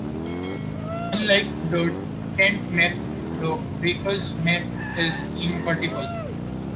Unlike the tent map, the baker's map is invertible.